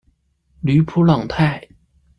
吕普朗泰。